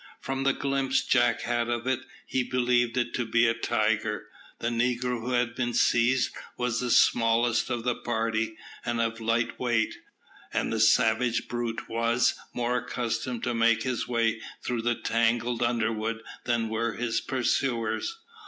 From the glimpse Jack had of it, he believed it to be a tiger. The negro who had been seized was the smallest of the party, and of light weight; and the savage brute was more accustomed to make his way through the tangled underwood than were his pursuers.